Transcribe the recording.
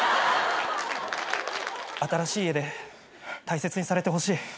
新しい家で大切にされてほしい。